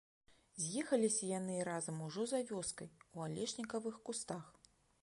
З'ехаліся яны разам ужо за вёскай, у алешнікавых кустах.